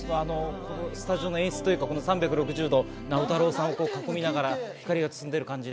このスタジオの演出というか３６０度、直太朗さんを囲みながら光が包んでいる感じで。